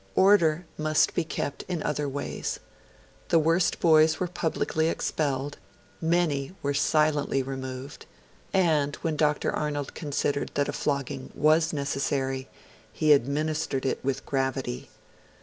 Order must be kept in other ways. The worst boys were publicly expelled; many were silently removed; and, when Dr. Arnold considered that a flogging was necessary, he administered it with gravity.